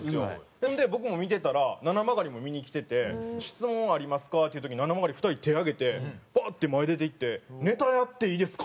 ほんで僕も見てたらななまがりも見に来てて「質問ありますか？」っていう時ななまがり２人手挙げてバーッて前出ていって「ネタやっていいですか？」